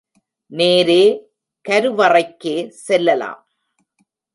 நேரே கருவறைக்கே செல்லலாம்.